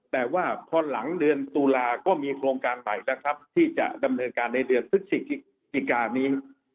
แต่ว่าพอหลังเดือนตุลาก็มีโครงการใหม่แล้วครับที่จะดำเนินการในเดือนพฤศจิกานี้